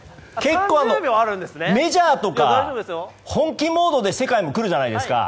メジャーとか、本気モードで世界も来るじゃないですか。